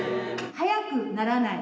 速くならない。